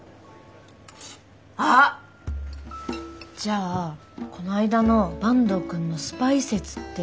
あっじゃあこないだの坂東くんのスパイ説って。